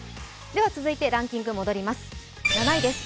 続いてランキングに戻ります。